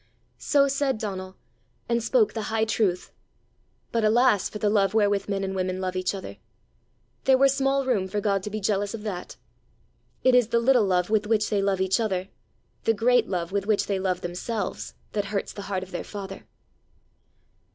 So said Donal and spoke the high truth. But alas for the love wherewith men and women love each other! There were small room for God to be jealous of that! It is the little love with which they love each other, the great love with which they love themselves, that hurts the heart of their father.